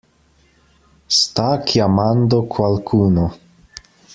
Sta chiamando qualcuno.